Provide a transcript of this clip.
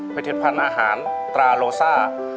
เผยเทียดพันธุ์อาหารตราโลซ่า